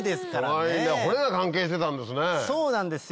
骨が関係してたんですね。